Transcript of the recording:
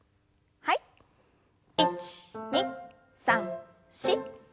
１２３４。